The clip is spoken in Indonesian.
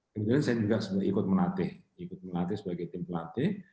kemudian saya juga sebenarnya ikut melatih ikut melatih sebagai tim pelatih